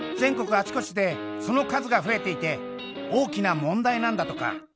あちこちでその数が増えていて大きな問題なんだとか。